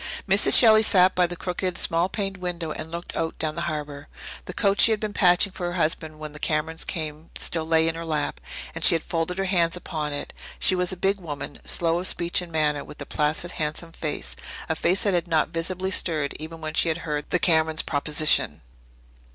Mrs. Shelley sat by the crooked, small paned window and looked out down the harbour. The coat she had been patching for her husband when the Camerons came still lay in her lap, and she had folded her hands upon it. She was a big woman, slow of speech and manner, with a placid, handsome face a face that had not visibly stirred even when she had heard the Camerons' proposition.